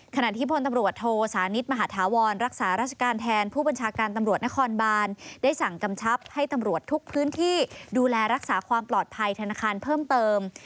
ขณะที่พลตำรวจโทสานิทมหาธาวรรักษาราชการแทนผู้บัญชาการตำรวจนครบานได้สั่งกำชับให้ตำรวจทุกพื้นที่ดูแลรักษาความปลอดภัยธนาคารเพิ่มเติม